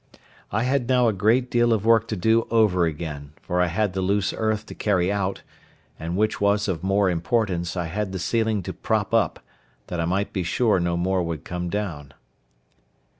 I had now a great deal of work to do over again, for I had the loose earth to carry out; and, which was of more importance, I had the ceiling to prop up, so that I might be sure no more would come down.